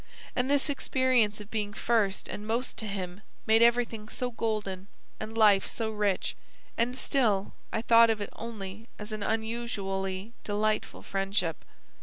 And this experience of being first and most to him made everything so golden, and life so rich, and still I thought of it only as an unusually delightful friendship.